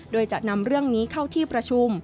โดยจะนำเรื่องนี้เข้าที่ประชุม